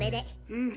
うん。